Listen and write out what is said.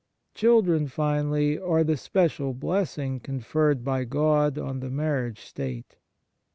Children, finally, are the special blessing conferred by God on the marriage state.